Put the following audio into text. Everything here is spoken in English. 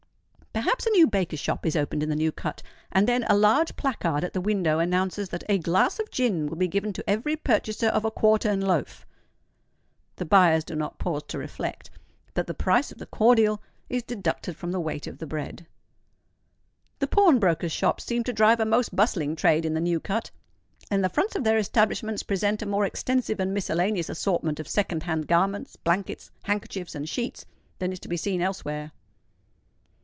Perhaps a new baker's shop is opened in the New Cut; and then a large placard at the window announces that "a glass of gin will be given to every purchaser of a quartern loaf." The buyers do not pause to reflect that the price of the cordial is deducted from the weight of the bread. The pawnbrokers' shops seem to drive a most bustling trade in the New Cut; and the fronts of their establishments present a more extensive and miscellaneous assortment of second hand garments, blankets, handkerchiefs, and sheets, than is to be seen elsewhere.